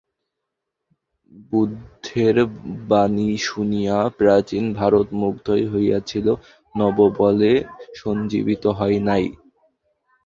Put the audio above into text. বুদ্ধের বাণী শুনিয়া প্রাচীন ভারত মুগ্ধই হইয়াছিল, নব বলে সঞ্জীবিত হয় নাই।